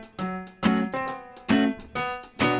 สปาเกตตี้ปลาทู